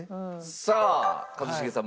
さあ一茂さん